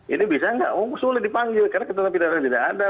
ini bisa tidak oh sulit dipanggil karena ketentuan pidananya tidak ada